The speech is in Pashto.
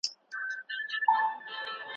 سياستپوهنه اوس د ټولو وګړو لپاره ده.